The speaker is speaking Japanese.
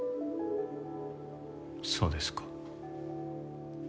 そうですか。